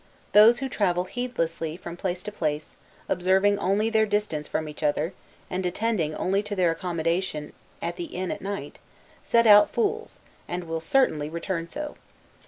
Those who travel heedlessly from place to place, observing only their distance from each other, and attending only to their accommodation at the inn at night, set out fools, and will certainly return so.